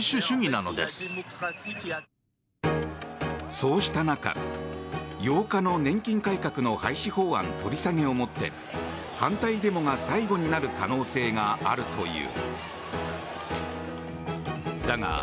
そうした中、８日の年金改革の廃止法案取り下げをもって反対デモが最後になる可能性があるという。